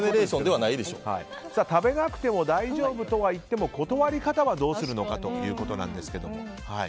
食べなくても大丈夫とはいっても断り方はどうするのかということです。